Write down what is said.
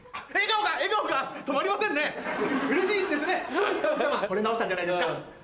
ほれ直したんじゃないですか？